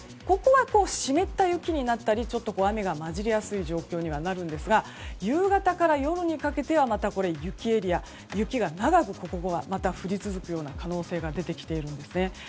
ここは、湿った雪になったりちょっと雨が交じりやすい状況にはなるんですが夕方から夜にかけてはまた雪エリア、雪が長く降り続く可能性が出てきているんです。